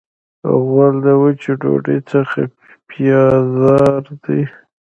غول د وچې ډوډۍ څخه بیزار دی.